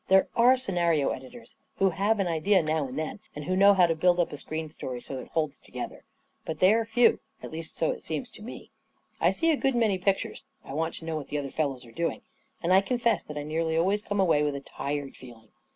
There are scena rio editors who have an idea now and then, and who know how to build up a screen story so that it holds together. But they are few — at least so it seems to me. I see a good many pictures — I want to know what the other fellows are doing — and I confess that I nearly always come away with a tired feeling.